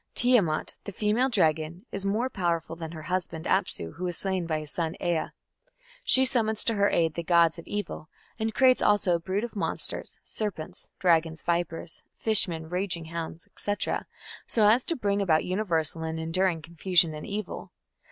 Tiamat, the female dragon, is more powerful than her husband Apsu, who is slain by his son Ea. She summons to her aid the gods of evil, and creates also a brood of monsters serpents, dragons, vipers, fish men, raging hounds, &c. so as to bring about universal and enduring confusion and evil.